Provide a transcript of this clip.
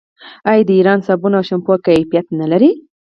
آیا د ایران صابون او شامپو کیفیت نلري؟